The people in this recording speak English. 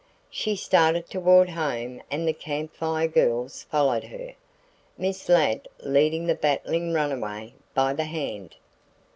She started toward home and the Camp Fire Girls followed her, Miss Ladd leading the battling runaway by the hand.